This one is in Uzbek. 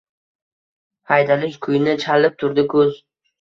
Haydalish kuyini chalib turdi kuz.